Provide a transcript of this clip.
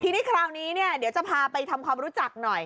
ทีนี้คราวนี้เนี่ยเดี๋ยวจะพาไปทำความรู้จักหน่อย